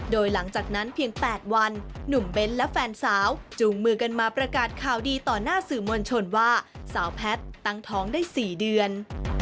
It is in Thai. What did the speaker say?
โดยหลังจากนั้นเพียง๘วันหนุ่มเบ้นและแฟนสาวจูงมือกันมาประกาศข่าวดีต่อหน้าสื่อมวลชนว่าสาวแพทย์ตั้งท้องได้๔เดือน